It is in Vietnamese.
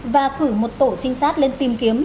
và cử một tổ trinh sát lên tìm kiếm